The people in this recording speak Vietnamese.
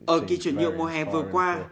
ở kỳ chuyển nhượng mùa hè vừa qua